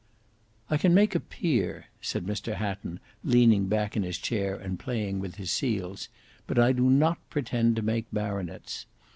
"I can make a Peer," said Mr Hatton, leaning back in his chair and playing with his seals, "but I do not pretend to make Baronets.